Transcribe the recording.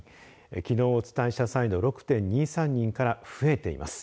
きのうお伝えした際の６．２３人から増えています。